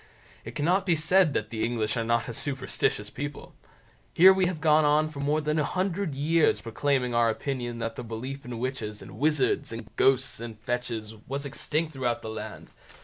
It cannot be said that the English are not a superstitious people. Here we have gone on for more than a hundred years proclaiming our opinion that the belief in witches, and wizards, and ghosts, and fetches, was extinct throughout the land.